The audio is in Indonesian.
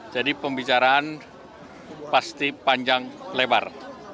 jadi pembicaraan pasti panjang lebar